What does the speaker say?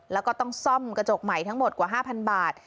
แล้วก็ต้องซ่อมกระจกใหม่ทั้งหมดกว่า๕๐๐บาท